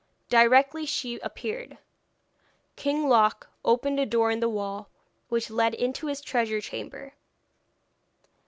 Directly she appeared, King Loc opened a door in the wall which led into his treasure chamber.